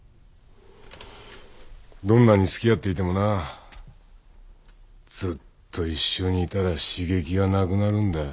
どんなに好き合っていてもなずっと一緒にいたら刺激がなくなるんだよ。